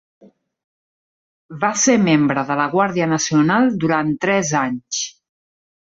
Va ser membre de la Guàrdia nacional durant tres anys.